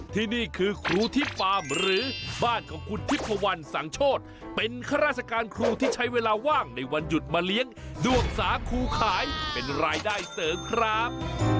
ที่นี่คือครูที่ฟาร์มหรือบ้านของคุณทิพวันสังโชธเป็นข้าราชการครูที่ใช้เวลาว่างในวันหยุดมาเลี้ยงด้วงสาครูขายเป็นรายได้เสริมครับ